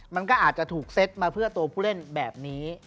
มันก็อาจจะถูกเซ็ตมาเพื่อตัวผู้เล่นแบบนี้